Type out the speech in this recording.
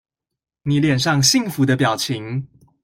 妳臉上幸福的表情